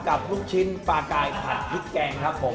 ลูกชิ้นปลากายผัดพริกแกงครับผม